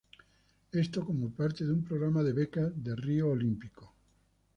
Esto como parte de un programa de becas de Río Olímpico.